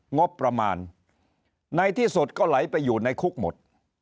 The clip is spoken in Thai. งบประมาณในที่สุดก็ไหลไปอยู่ในคุกหมด